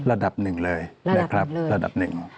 ระดับหนึ่งเลยนะครับระดับหนึ่ง